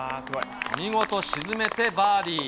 見事、沈めてバーディー。